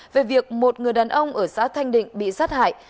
về việc một người đàn ông ở xã thanh định bị sát hại